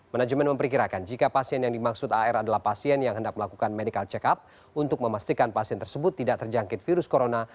manajemen memperkirakan jika pasien yang dimaksud ar adalah pasien yang hendak melakukan medical check up untuk memastikan pasien tersebut tidak terjangkit virus corona